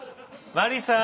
マリーさん！